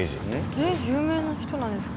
えっ有名な人なんですか？